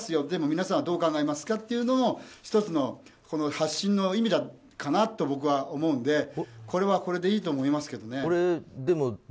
でも皆さんはどう考えますかというのの１つの発信の意味かなと思うのでこれはこれでいいと思いますけど。